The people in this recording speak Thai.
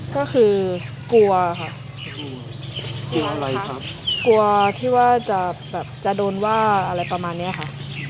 ก็คือกลัวค่ะกลัวอะไรครับกลัวที่ว่าจะแบบจะโดนว่าอะไรประมาณเนี้ยค่ะ